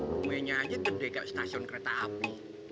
rumainya aja gede kayak stasiun kereta api